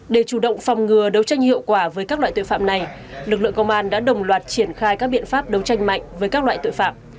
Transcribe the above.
để chủ động phòng ngừa đấu tranh hiệu quả với các loại tội phạm này lực lượng công an đã đồng loạt triển khai các biện pháp đấu tranh mạnh với các loại tội phạm